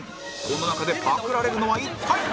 この中でパクられるのは一体？